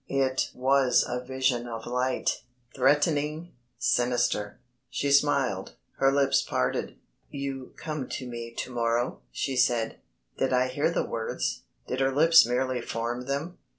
It was a vision of light, theatening, sinister. She smiled, her lips parted. "You come to me to morrow," she said. Did I hear the words, did her lips merely form them?